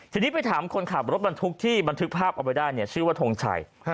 ทีนี้ไปถามคนขับรถบรรทุกที่บันทึกภาพเอาไว้ได้เนี่ยชื่อว่าทงชัย